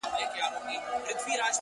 • شپه كي هم خوب نه راځي جانه زما؛